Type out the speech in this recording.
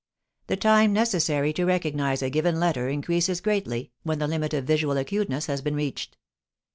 "The time necessary to recognize a given letter increases greatly, when the limit of visual acuteness has been reached.